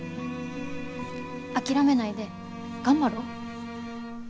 諦めないで頑張ろう。